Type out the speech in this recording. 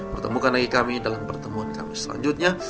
pertemukan lagi kami dalam pertemuan kami selanjutnya